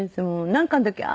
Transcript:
なんかの時ああ